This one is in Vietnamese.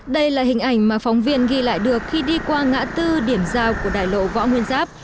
đây là hình ảnh mà phóng viên ghi lại được khi đi qua ngã tư điểm giao của đài lộ võ nguyên giáp